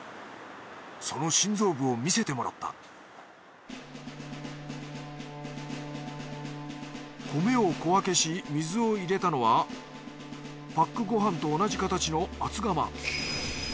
その心臓部を見せてもらった米を小分けし水を入れたのはパックご飯と同じ形の厚釜。